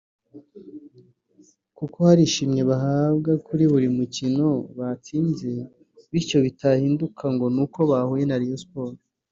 kuko hari ishimwe bahabwa kuri buri mukino batsinze bityo ko bitahinduka ngo ni uko bahuye na Rayon Sports